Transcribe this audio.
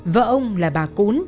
vợ ông là bà cún